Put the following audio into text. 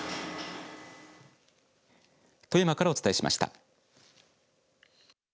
富山からお伝えしました。